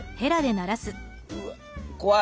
うわっ怖い！